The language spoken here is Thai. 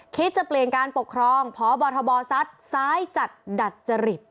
คิดจะเปลี่ยนการปกครองเพราะบทบสัตว์ซ้ายจัดดัดจริบ